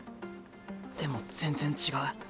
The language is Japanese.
でも全然違う。